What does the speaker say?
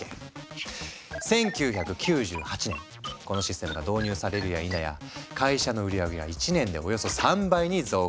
１９９８年このシステムが導入されるやいなや会社の売上げは１年でおよそ３倍に増加。